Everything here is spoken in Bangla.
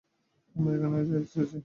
আমরা এখানেই যাচ্ছি।